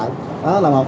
đó là một